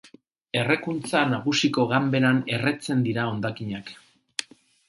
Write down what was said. Errekuntza nagusiko ganberan erretzen dira hondakinak.